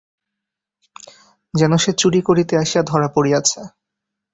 যেন সে চুরি করিতে আসিয়া ধরা পড়িয়াছে।